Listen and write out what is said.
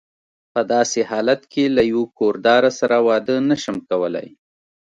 په داسې حالت کې له یوه کور داره سره واده نه شم کولای.